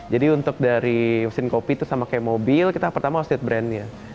jadi untuk dari mesin kopi itu sama kayak mobil kita pertama harus lihat brand nya